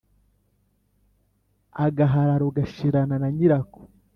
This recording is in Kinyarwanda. agahararo gashirana na nyirako